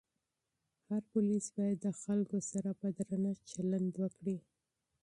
هر پولیس باید د خلکو سره په درنښت چلند وکړي.